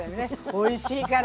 おいしいから。